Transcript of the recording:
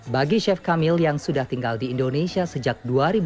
bagi chef kamil yang sudah tinggal di indonesia sejak dua ribu dua